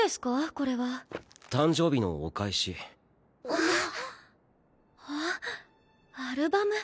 これは誕生日のお返しあっアルバム